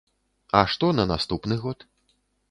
А што на наступны год?